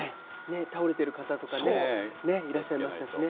倒れている方とか、いらっしゃいましたね。